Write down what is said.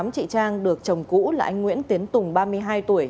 tám chị trang được chồng cũ là anh nguyễn tiến tùng ba mươi hai tuổi